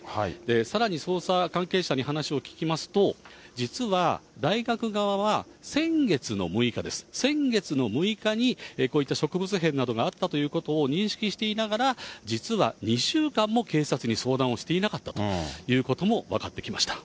さらに捜査関係者に話を聞きますと、実は大学側は、先月の６日です、先月の６日に、こういった植物片などがあったということを認識していながら、実は２週間も警察に相談をしていなかったということも分かってきました。